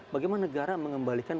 bagaimana negara mengembalikan